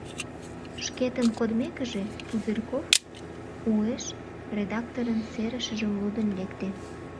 Шкетын кодмекыже, Пузырьков уэш редакторын серышыжым лудын лекте.